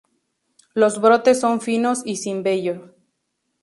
Los brotes son finos y sin vello.